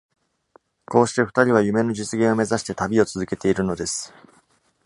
こうして、二人は夢の実現を目指して旅を続けているのです。